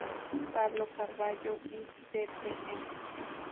Pablo Carballo y tte.